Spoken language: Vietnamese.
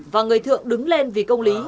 và người thượng đứng lên vì công lý